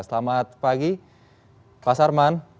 selamat pagi pak sarman